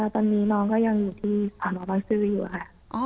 ตอนนี้น้องก็ยังอยู่ที่สอนอบังซื้ออยู่ค่ะ